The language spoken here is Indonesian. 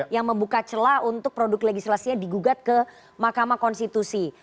yang membuka celah untuk produk legislasinya digugat ke mahkamah konstitusi